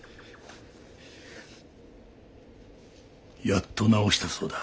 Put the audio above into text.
やっと直したそうだ。